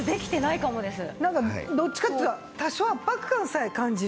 どっちかっていうと多少圧迫感さえ感じる。